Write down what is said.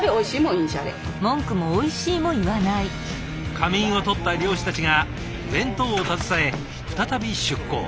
仮眠をとった漁師たちが弁当を携え再び出港。